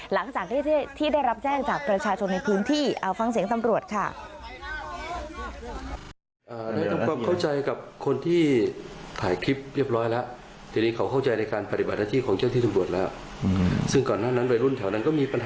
หลังจากที่ได้รับแจ้งจากประชาชนในพื้นที่